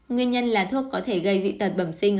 nguyên nhân là thuốc có thể gây dị tật bẩm sinh